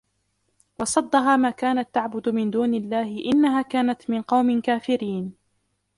وَصَدَّهَا مَا كَانَتْ تَعْبُدُ مِنْ دُونِ اللَّهِ إِنَّهَا كَانَتْ مِنْ قَوْمٍ كَافِرِينَ